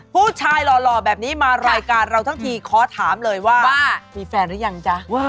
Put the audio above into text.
หล่อแบบนี้มารายการเราทั้งทีขอถามเลยว่ามีแฟนหรือยังจ๊ะ